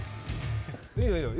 いいよいいよ。